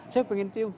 saya pengen cium